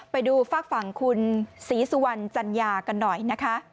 ไปดูฝากฝั่งคุณศรีสุวรรณจัญญากันหน่อยนะคะ